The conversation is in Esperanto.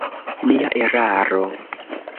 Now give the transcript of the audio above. Mia eraro.